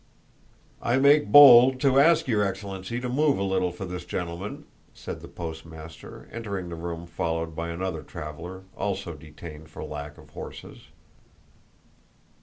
"I make bold to ask your excellency to move a little for this gentleman," said the postmaster, entering the room followed by another traveler, also detained for lack of horses.